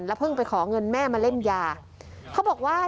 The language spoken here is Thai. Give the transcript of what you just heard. เพิ่งไปขอเงินแม่มาเล่นยาเขาบอกว่า